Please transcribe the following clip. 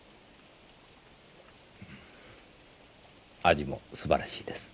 味も素晴らしいです。